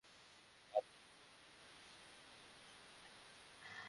আর কি তেমন নিশ্চিন্ত হইয়া বাঁচিবার সময় আছে?